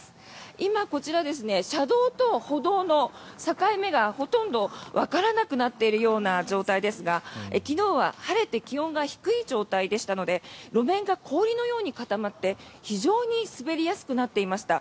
今、こちら車道と歩道の境目がほとんどわからなくなっているような状態ですが昨日は晴れて気温が低い状態でしたので路面が氷のように固まって非常に滑りやすくなっていました。